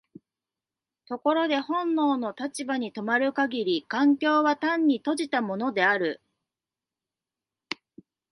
ところで本能の立場に止まる限り環境は単に閉じたものである。